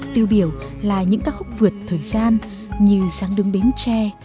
tiêu biểu là những ca khúc vượt thời gian như giáng đứng bến tre